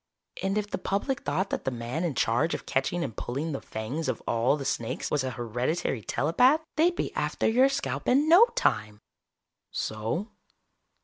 And if the public thought that the man in charge of catching and pulling the fangs of all the snakes was a hereditary telepath, they'd be after your scalp in no time." "So?"